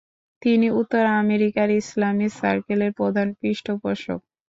তিনি উত্তর আমেরিকার ইসলামিক সার্কেলের প্রধান পৃষ্ঠপোষক।